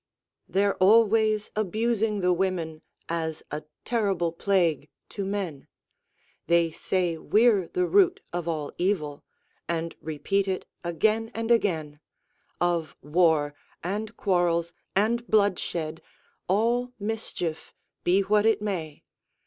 They're always abusing the women, As a terrible plague to men; They say we're the root of all evil, And repeat it again and again Of war, and quarrels, and bloodshed, All mischief, be what it may.